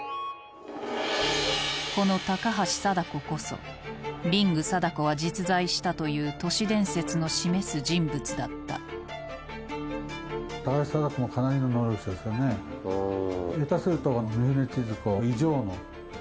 この高橋貞子こそ「『リング』貞子は実在した」という都市伝説の示す人物だった下手すると。